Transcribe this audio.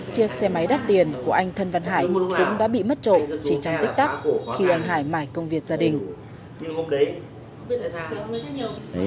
chiếc xe máy đắt tiền của anh thân văn hải cũng đã bị mất trộm chỉ trong tích tắc khi anh hải mãi công việc gia đình